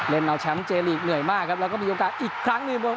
เอาแชมป์เจลีกเหนื่อยมากครับแล้วก็มีโอกาสอีกครั้งหนึ่ง